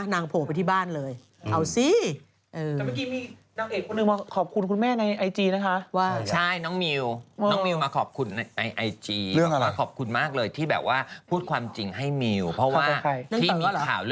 น้องนึงมาขอบคุณคุณแม่ในไอจีนะคะว่า